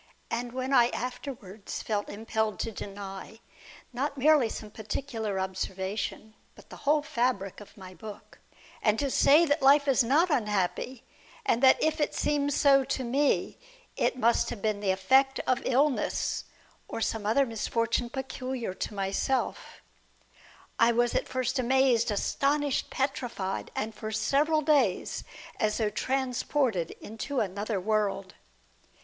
And when I afterwards felt impelled to deny, not merely some particular observation, but the whole fabric of my book, and to say that life is not unhappy, and that TRISTAN AND A FRIEND. 207 if it seemed so to me, it must have been the effect of illness, or some other misfortune peculiar to myself, I was at first amazed, astonished, petrified, and for several days as though transported into another world.